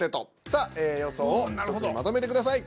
さあ予想を１つにまとめてください。